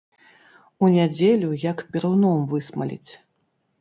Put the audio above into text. У нядзелю, як перуном высмаліць.